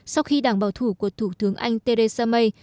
sau khi đảng bảo thủ của thủ tướng anh theresa may